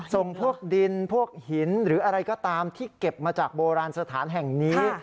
ส่งพวกดินพวกหินหรืออะไรก็ตามที่เก็บมาจากโบราณสถานแห่งนี้